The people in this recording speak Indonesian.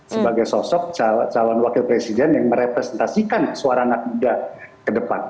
sebagai sosok calon wakil presiden yang merepresentasikan suara anak muda ke depan